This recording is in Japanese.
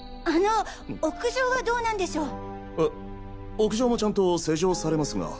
屋上もちゃんと施錠されますが。